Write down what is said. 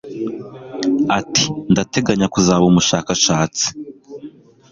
Ati: "Ndateganya kuzaba umushakashatsi."